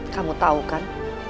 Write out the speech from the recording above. kamu tahu kan